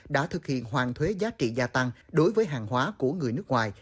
đã thực hiện hoàn thuế giá trị gia tăng đối với hàng hóa của người nước ngoài